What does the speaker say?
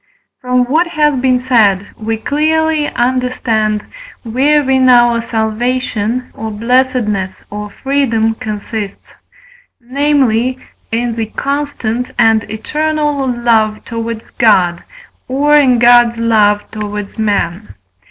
From what has been said we clearly understand, wherein our salvation, or blessedness, or freedom, consists: namely, in the constant and eternal love towards God, or in God's love towards men.